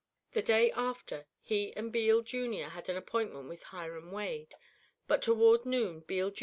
The day after, he and Beale, Jr., had an appointment with Hiram Wade, but toward noon Beale, Jr.